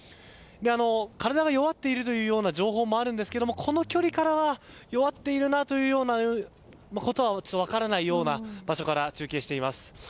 体が弱っているという情報もあるんですがこの距離からは弱っているかということは分からないような場所から中継しています。